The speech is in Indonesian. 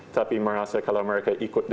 tapi merasa kalau mereka ikut